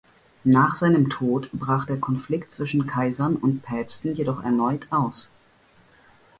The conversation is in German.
Nach seinem Tod brach der Konflikt zwischen Kaisern und Päpsten jedoch erneut aus.